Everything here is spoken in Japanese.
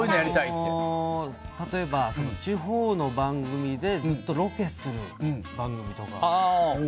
例えば、地方の番組でずっとロケする番組とか。